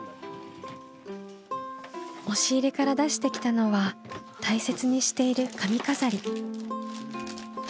押し入れから出してきたのは大切にしている髪飾り。